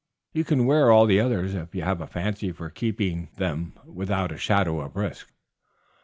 You can wear all the others, if you have a fancy for keeping them, without a shadow of risk."